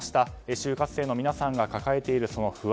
就活生の皆さんが抱えている不安